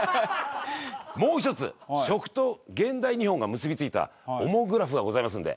もう１つ食と現代日本が結びついたオモグラフがございますので。